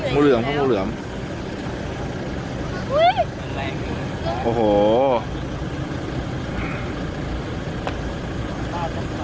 นี่สองไฟใช่ไหมสายผักอาฟากเลยครับ